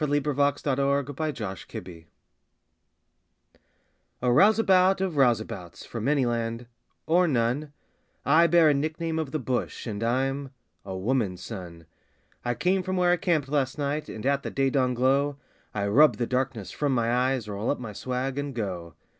THE BALLAD OF THE ROUSEABOUT A rouseabout of rouseabouts, from any land or none I bear a nick name of the bush, and I'm a woman's son; I came from where I camp'd last night, and, at the day dawn glow, I rub the darkness from my eyes, roll up my swag, and go.